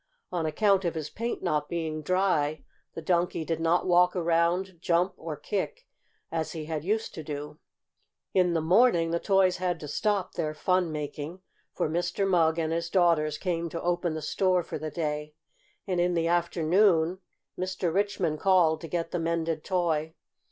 On account of his paint not being dry the Donkey did not walk around, jump or kick as he had used to do. In the morning the toys had to stop their fun making, for Mr. Mugg and his daughters came to open the store for the day. And in the afternoon Mr. Richmond called to get the mended toy.